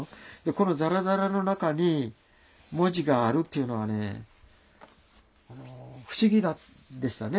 このザラザラの中に文字があるというのはねもう不思議でしたね。